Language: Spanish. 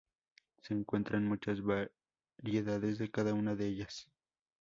Se encuentran muchas variedades de cada una de ellas.